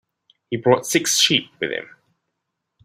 He brought six sheep with him.